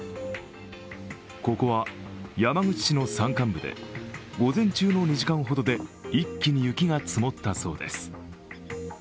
ここは山口市の山間部で、午前中の２時間ほどで一気に雪が積もったそうです。